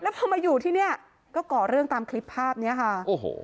พอมาอยู่ที่เนี้ยก็ก่อเรื่องตามคลิปภาพเนี้ยค่ะโอ้โห